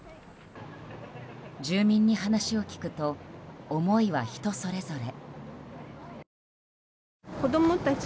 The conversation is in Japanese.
住民に話を聞くと思いは人それぞれ。